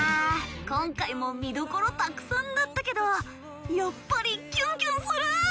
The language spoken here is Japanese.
今回も見どころたくさんだったけどやっぱりキュンキュンする！